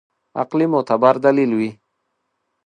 عقلي معتبر دلیل وي.